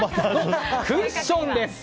クッションです。